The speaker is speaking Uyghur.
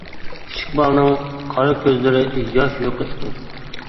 كىچىك بالىنىڭ قارا كۆزلىرى ياش يۇقى ئىكەن.